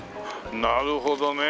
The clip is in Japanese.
なるほどね。